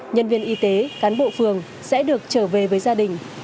nhân viên y tế cán bộ phường sẽ được trở về với gia đình